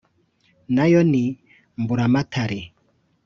nayo ni mburamatare,